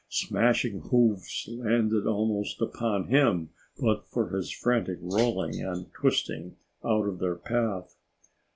Smashing hoofs landed almost upon him but for his frantic rolling and twisting out of their path.